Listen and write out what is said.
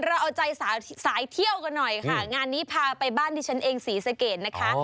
เราเอาใจสายเที่ยวกันหน่อยค่ะงานนี้พาไปบ้านที่ฉันเองศรีสะเกดนะคะ